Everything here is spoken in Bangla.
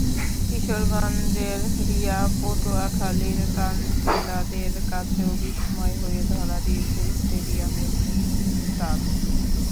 কিশোরগঞ্জের রিয়া, পটুয়াখালীর তানজিলাদের কাছেও বিস্ময় হয়ে ধরা দিয়েছে স্টেডিয়ামের নীল টার্ফ।